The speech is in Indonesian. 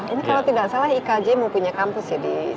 ini kalau tidak salah ikj mau punya kampus ya di sana